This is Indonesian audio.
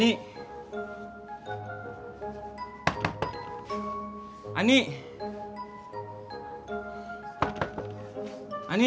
kita tadi gehang ancam tuntaran ya